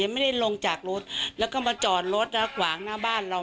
ไม่ได้ลงจากรถแล้วก็มาจอดรถแล้วขวางหน้าบ้านเรา